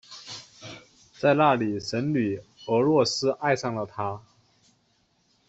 在那里神女俄诺斯爱上了他。